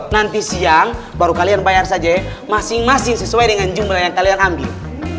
nanti siang baru kalian bayar saja masing masing sesuai dengan jumlah yang kalian ambil